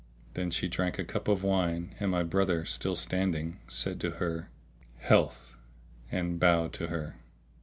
Then she drank a cup of wine and my brother (still standing) said to her "Health," and bowed to her.